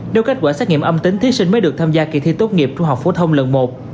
nếu kết quả xét nghiệm âm tính thí sinh mới được tham gia kỳ thi tốt nghiệp trung học phổ thông lần một